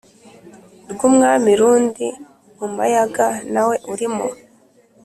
rwumwami rundi mumayaga nawe urimo?"